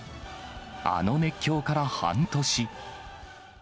あの熱狂から半年。